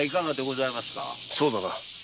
そうだな。